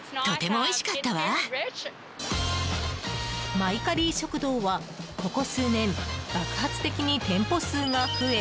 マイカリー食堂は、ここ数年爆発的に店舗数が増え